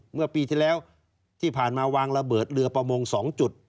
เมื่อปีที่แล้วที่ผ่านมาวางระเบิดเรือประมง๒จุด